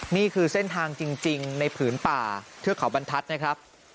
นี่คือเส้นทางจริงในผืนป่าเทือกเขาบรรทัศน์นะครับ